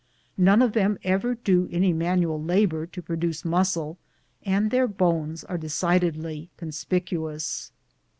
]^one of them ever do any manual labor to produce muscle, and their bones are de cidedly conspicuous.